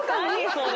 それ。